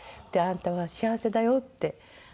「あんたは幸せだよ」って。